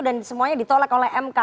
dan semuanya ditolak oleh mk